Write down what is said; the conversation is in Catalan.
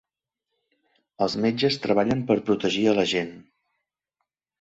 Els metges treballen per protegir a la gent.